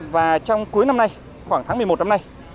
và trong cuối năm nay khoảng tháng một mươi một năm nay